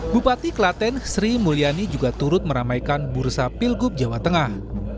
bupati kelaten sri mulyani juga turut meramaikan bursa pilgub jawa tengah